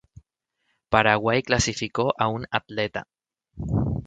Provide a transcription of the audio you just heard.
Paraguay clasificó a un atleta.